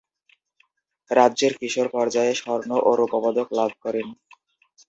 রাজ্যের কিশোর পর্যায়ে স্বর্ণ ও রৌপ্যপদক লাভ করেন।